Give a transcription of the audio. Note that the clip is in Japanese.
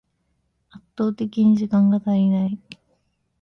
圧倒的に時間が足りない